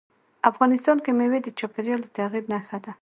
افغانستان کې مېوې د چاپېریال د تغیر نښه ده.